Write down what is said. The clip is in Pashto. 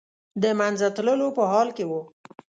د منځه تللو په حال کې و.